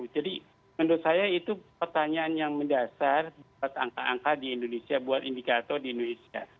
jadi menurut saya itu pertanyaan yang mendasar buat angka angka di indonesia buat indikator di indonesia